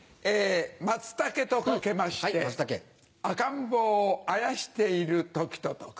松茸と掛けまして赤ん坊をあやしている時と解く。